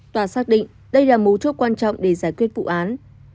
tòa xác định đây là mấu chốt quan trọng để giải quyết vụ án